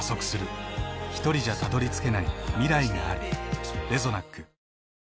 ひとりじゃたどりつけない未来がある。